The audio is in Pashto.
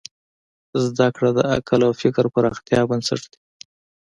زدهکړه د عقل او فکر پراختیا بنسټ دی.